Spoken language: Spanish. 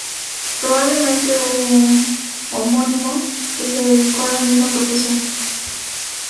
Probablemente hubo un homónimo que se dedicó a la misma profesión.